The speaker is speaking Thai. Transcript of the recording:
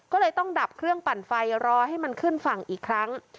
ก็เลยต้องดับเครื่องปั่นไฟรอให้มันขึ้นฝั่งอีกครั้ง